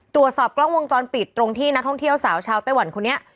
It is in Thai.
ตรวจสอบกล้องวงจรปิดตรงที่นักท่องเที่ยวสาวชาวไต้หวันคนนี้